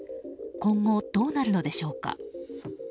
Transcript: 今後、どうなるのでしょうか。